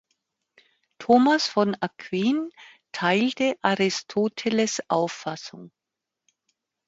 Thomas von Aquin teilte Aristoteles’ Auffassung.